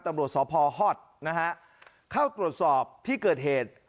ตำรวจสพฮอตนะฮะเข้าตรวจสอบที่เกิดเหตุ